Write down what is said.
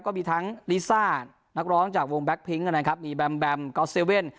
ก็มีทั้งลิซ่านักร้องจากวงแบล็กพิงก์นะครับมีแบล็มแบล็มกอสเซลเว่น